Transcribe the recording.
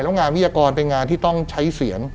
แล้วงานวิทยากรเป็นงานที่ต้องใช้เสียง